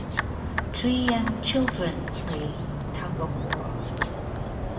Three young children play tugofwar.